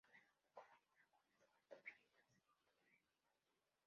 A menudo colaboraba con Eduardo Reynals y Toledo.